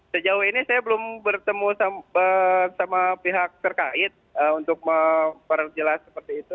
sejauh ini saya belum bertemu sama pihak terkait untuk memperjelas seperti itu